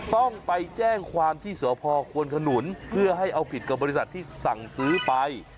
ต้องไปแจ้งความที่สพควนขนุนเพื่อให้เอาผิดกับบริษัทที่สั่งซื้อไป